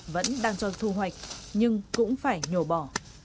vẫn đang cho thu hoạch nhưng cũng phải nhổ bỏ